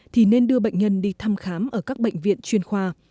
thì nên đưa bệnh nhân đi thăm khám ở các bệnh viện chuyên khoa